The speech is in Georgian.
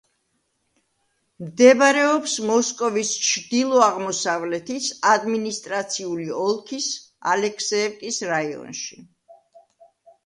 მდებარეობს მოსკოვის ჩრდილო-აღმოსავლეთის ადმინისტრაციული ოლქის ალექსეევკის რაიონში.